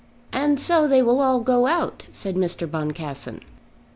"And so they will all go out," said Mr. Boncassen.